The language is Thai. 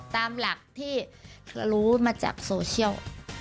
ตามหลักที่รู้มาจากโซเชียล